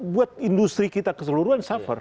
buat industri kita keseluruhan suffer